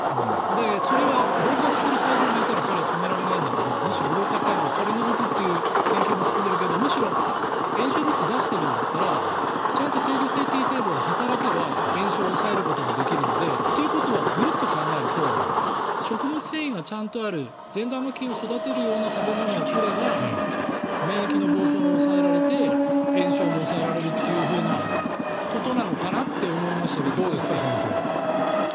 それは老化している細胞がいたらそれは止められないんだけどむしろ老化細胞を取り除くという研究も進んでいるけれどむしろ炎症物質を出しているんだったらちゃんと制御性Ｔ細胞が働けば炎症を抑えることができるのでということはグルッと考えると食物繊維がちゃんとある善玉菌を育てるような食べ物を取れば免疫の暴走が抑えられて炎症も抑えられるっていうふうなことなのかなって思いましたけど、先生。